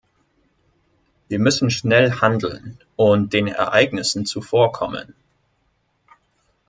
Wir müssen schnell handeln und den Ereignissen zuvorkommen.